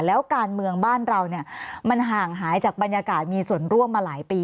แล้วการเมืองบ้านเราเนี่ยมันห่างหายจากบรรยากาศมีส่วนร่วมมาหลายปี